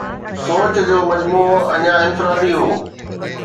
سوچ جو مجموعو اڃا انفرادي هو